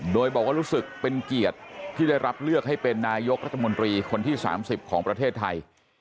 โดยบอกว่ารู้สึกเป็นเกียรติที่ได้รับเลือกให้เป็นนายกรัฐมนตรีคนที่๓๐ของประเทศไทย